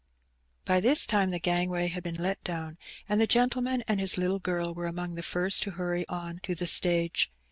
By this time the gangway had been let down, and the gentleman and his little girl were among the first to hurry on to the stage.